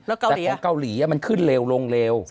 แต่ของเกาหลีมันขึ้นเร็วลงเร็ว